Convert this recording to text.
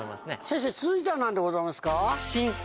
先生続いては何でございますか？